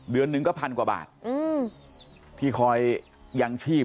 เดือนหนึ่งก็พันกว่าบาทอืมที่คอยยังชีพ